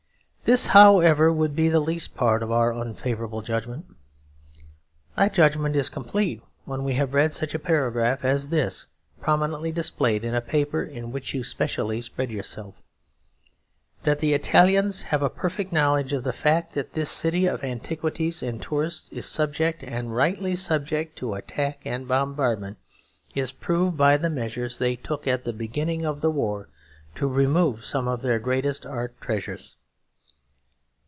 This, however, would be the least part of our unfavourable judgment. That judgment is complete when we have read such a paragraph as this, prominently displayed in a paper in which you specially spread yourself: "That the Italians have a perfect knowledge of the fact that this city of antiquities and tourists is subject, and rightly subject, to attack and bombardment, is proved by the measures they took at the beginning of the war to remove some of their greatest art treasures."